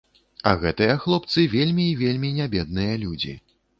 А гэтыя хлопцы, вельмі і вельмі не бедныя людзі.